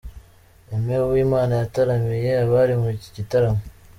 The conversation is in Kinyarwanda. Aime Uwimana yataramiye abari muri iki gitaramo.